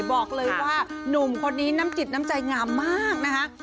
บอกเลยว่าหนุ่มคนนี้น้ำจิตน้ำใจงามมากนะคะ